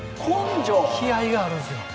気合いがあるんですよ。